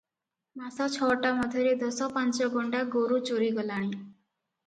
ମାସ ଛଅଟା ମଧ୍ୟରେ ଦଶ ପାଞ୍ଚ ଗଣ୍ଡା ଗୋରୁ ଚୋରି ଗଲାଣି ।